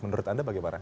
menurut anda bagaimana